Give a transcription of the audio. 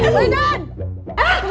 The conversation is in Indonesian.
apa yang terjadi